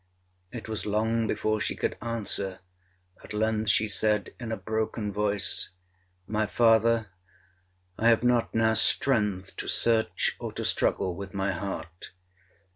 It was long before she could answer; at length she said in a broken voice, 'My father, I have not now strength to search or to struggle with my heart.